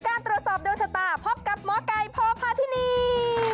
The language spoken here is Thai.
การตรวจสอบโดนชะตาพบกับหมอไก่พ่อพาธินี